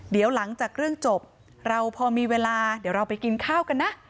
เดี๋ยวหลังจากเรื่องจบเราพอมีเวลาเดี๋ยวเราไปกินข้าวกันนะ